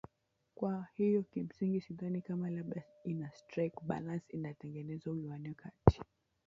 kwa hiyo kimsingi sidhani kama labda ina strike balance inategeneza uwiano kati